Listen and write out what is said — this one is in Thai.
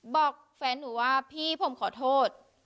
บอกแฟนหนูว่าพี่ผมขอโทษ